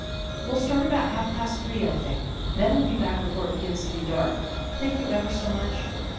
" We'll start about half past three, I think. Then we'll be back before it begins to be dark. Thank you ever so much."